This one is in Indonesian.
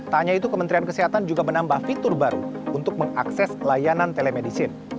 tak hanya itu kementerian kesehatan juga menambah fitur baru untuk mengakses layanan telemedicine